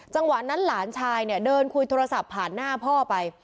จังหวะนั้นหลานชายเนี่ยเดินคุยโทรศัพท์ผ่านหน้าพ่อไป